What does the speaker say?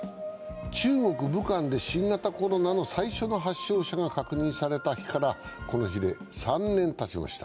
中国・武漢で新型コロナの最初の発症者が確認された日からこの日で３年たちました。